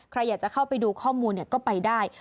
ใครอยากจะเข้าไปดูข้อมูลก็ไปได้